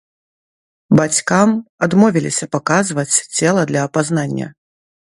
Бацькам адмовіліся паказваць цела для апазнання.